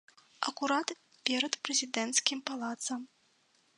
Акурат перад прэзідэнцкім палацам.